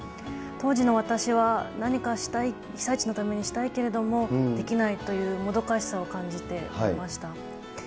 当時の私は、何かしたい、被災地のためにしたいけれどもできないというもどかしさを感じていました。